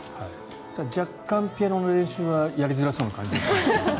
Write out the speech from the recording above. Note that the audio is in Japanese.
若干ピアノの練習はやりづらそうな感じが。